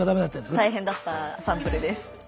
大変だったサンプルです。